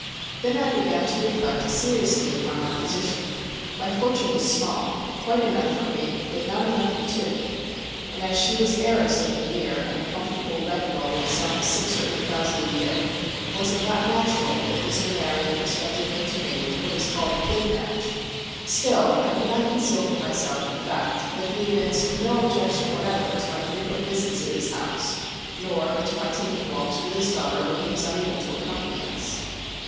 Then I began to reflect seriously upon my position. My fortune was small, quite enough for me, but not enough for two; and as she was heiress of The Mere and a comfortable rent roll of some six or eight thousand a year, was it not natural that Mr. Maryon expected her to make what is called a "good match"? Still, I could not conceal from myself the fact, that he evinced no objection whatever to my frequent visits at his house, nor to my taking walks with his daughter when he was unable to accompany us.